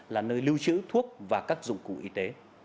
là nơi lưu trữ thuốc và các dụng cụ y tế